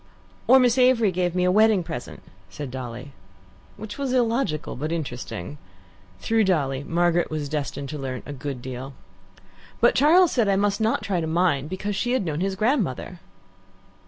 "Or Miss Avery giving me a wedding present," said Dolly. Which was illogical but interesting. Through Dolly, Margaret was destined to learn a good deal. "But Charles said I must try not to mind, because she had known his grandmother."